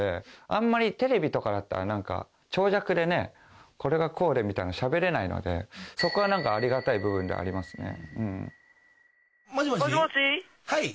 あんまりテレビとかだったらなんか長尺でねこれがこうでみたいにしゃべれないのでそこはなんかありがたい部分ではありますね。